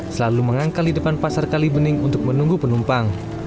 selalu mengangkali depan pasar kalibening untuk menunggu penumpang